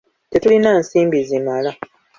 Tetulina nsimbi zimala.